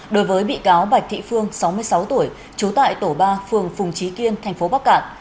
đối với bị cáo bạch thị phương sáu mươi sáu tuổi trú tại tổ ba phường phùng trí kiên thành phố bắc cạn